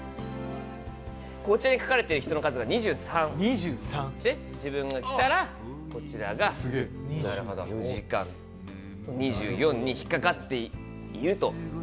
こちらに描かれている人の数２３？で、自分が着たら、こちらが２４時間、２４に引っ掛かっていると。